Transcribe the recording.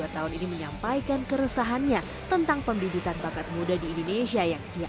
dua tahun ini menyampaikan keresahannya tentang pembibitan bakat muda di indonesia yang dia